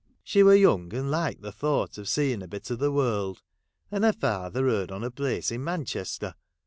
She were young, and liked the thought of seeing a bit of the world ; and her father heard on a place in Manchester.